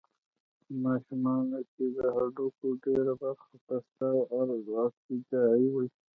په ماشومانو کې د هډوکو ډېره برخه پسته او ارتجاعي وي.